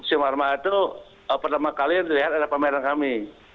itu pertama kali dilihat ada pameran kami